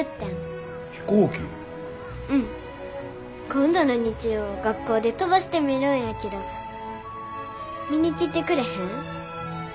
今度の日曜学校で飛ばしてみるんやけど見に来てくれへん？